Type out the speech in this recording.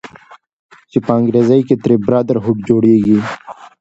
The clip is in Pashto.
چې په انګريزۍ کښې ترې Brotherhood جوړيږي